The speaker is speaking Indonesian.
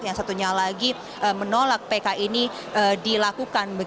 yang satunya lagi menolak pk ini dilakukan